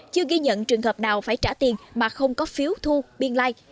chưa ghi nhận trường hợp nào phải trả tiền mà không có phiếu thu biên like